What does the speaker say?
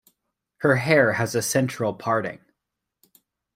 Her hair has a central parting